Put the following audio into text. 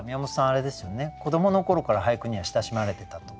あれですよね子どもの頃から俳句には親しまれてたと。